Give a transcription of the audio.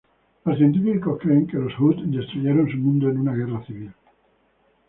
Los científicos creen que los Hutt destruyeron su mundo en una guerra civil.